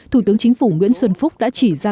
thủ tướng chính phủ nguyễn xuân phúc đã chỉ ra